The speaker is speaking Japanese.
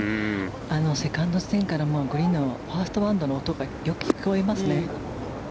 セカンド地点からもグリーンのファーストバウンドの音がよく聞こえますね。